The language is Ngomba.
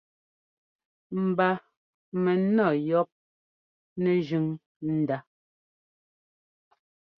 Mba mɛnɔ́ yɔ́p nɛ́jʉ̈n ndá.